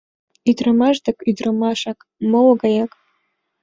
Ӱдырамаш дык, ӱдырамашак, моло гаяк.